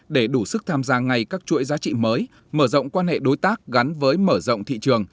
để đủ sức tham gia ngay các chuỗi giá trị mới mở rộng quan hệ đối tác gắn với mở rộng thị trường